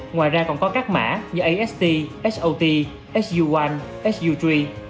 ngoài ra còn có các mã như ast hot hu một hu ba